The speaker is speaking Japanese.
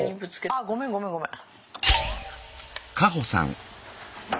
あごめんごめんごめん。